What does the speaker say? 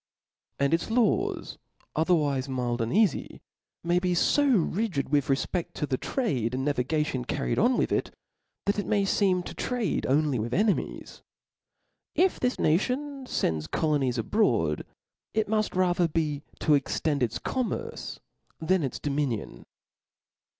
And its laws, otherwife mild and eafy, maybe ib rigid with refpedt to the trade and navigation carried on with it, that it may feem to trade. only with enemies. If this nation fends colonies abroad, it muft ra ther be to extend its commerce than its dominion.